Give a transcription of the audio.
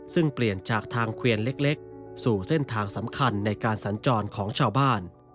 ซึ่งเปลี่ยนจากทางเควียนเล็กสู่เส้นทางสำคัญในการสัญจรของชาวบ้าน